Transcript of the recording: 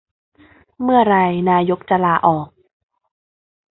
เมื่อไรนายกจะลาออก